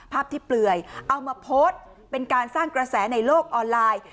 ภาพที่เปลือยเอามาโพสต์เป็นการสร้างกระแสในโลกออนไลน์